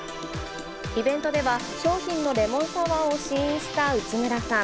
イベントでは、商品のレモンサワーを試飲した内村さん。